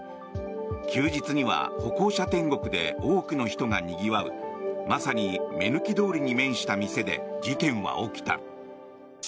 休日には歩行者天国で多くの人がにぎわうまさに目抜き通りに面した店で事件は起きた。